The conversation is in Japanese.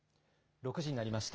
６時になりました。